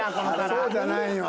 そうじゃないんよ。